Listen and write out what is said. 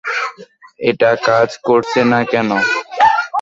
এটা কাজ করছে না কেন?